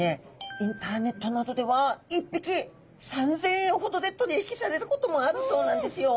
インターネットなどでは１匹３，０００円ほどで取り引きされることもあるそうなんですよ。